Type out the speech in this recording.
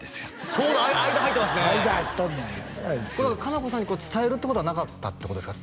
ちょうど間入ってますね間入っとんねん何やあいつカナコさんに伝えるっていうことはなかったってことですか？